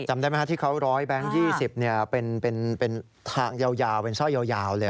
จำได้ไหมครับที่เขาร้อยแบงค์๒๐เป็นทางยาวเป็นสร้อยยาวเลย